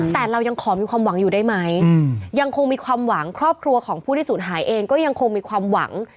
แต่เรายังขอมีความหวังอยู่ได้ไหมยังคงมีความหวังครอบครัวของผู้ที่สูญหายเองก็ยังคงมีความหวัง